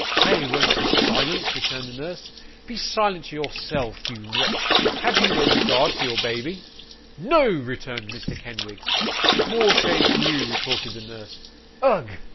'I won't be silent,' returned the nurse. 'Be silent yourself, you wretch. Have you no regard for your baby?' 'No!' returned Mr. Kenwigs. 'More shame for you,' retorted the nurse. 'Ugh!